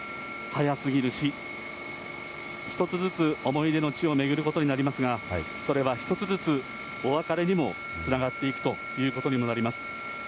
早すぎる死、一つずつ思い出の地を巡ることになりますが、それは一つずつ、お別れにもつながっていくということにもなります。